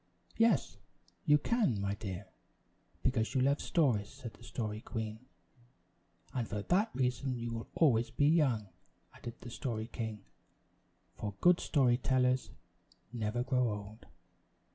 "Yes, you can, my dear, because you love stories," said the Story Queen. "And for that reason you will always be young," added the Story King; "for good story tellers never grow old."